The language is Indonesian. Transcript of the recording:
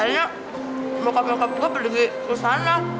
akhirnya bokap nyokap gue pergi ke sana